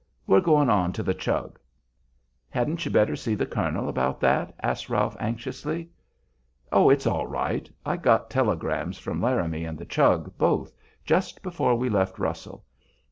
We're going on to the Chug." "Hadn't you better see the colonel about that?" asked Ralph, anxiously. "Oh, it's all right! I got telegrams from Laramie and the Chug, both, just before we left Russell.